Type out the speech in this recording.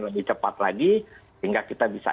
lebih cepat lagi sehingga kita bisa